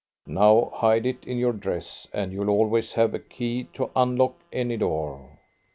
Now hide it in your dress, and you'll always have a key to unlock any door."